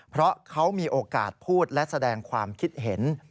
เพราะเขามีโอกาสพูดและแสดงความคิดเห็น